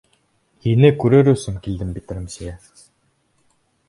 Һине күрер өсөн килдем бит, Рәмзиә.